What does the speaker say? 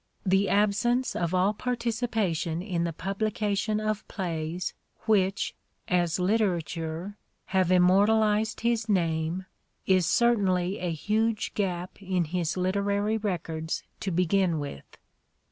The absence of all participation in the publication of plays which, as literature, have im mortalized his name, is certainly a huge gap in his literary records to begin with.